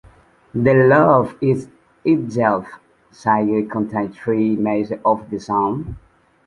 The "Love, In Itself" single contains three mixes of the song.